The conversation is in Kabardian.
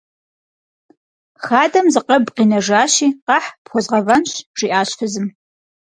Хадэм зы къэб къинэжащи, къэхь, пхуэзгъэвэнщ, - жиӀащ фызым.